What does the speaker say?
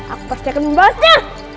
aku persiakan membahasnya